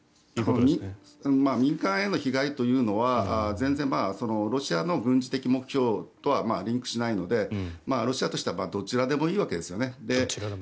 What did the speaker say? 民間への被害というのは全然、ロシアの軍事的目標とはリンクしないのでロシアとしてはどちらでもいいわけですよね。